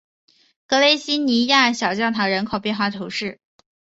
格雷西尼亚克小教堂人口变化图示